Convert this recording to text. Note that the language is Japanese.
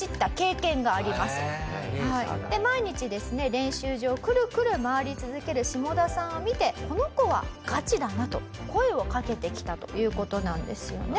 で毎日ですね練習場をくるくる回り続けるシモダさんを見てこの子はガチだなと声をかけてきたという事なんですよね。